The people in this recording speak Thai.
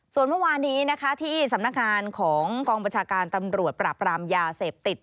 ส่วนเมื่อวานี้นะคะที่สำนักงานของกองบัญชาการตำรวจปราบรามยาเสพติด